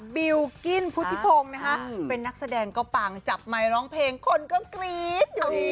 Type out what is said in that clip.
บิลกิ้นพุทธิพงศ์เป็นนักแสดงก็ปางจับไม้ร้องเพลงคนก็กรี๊ด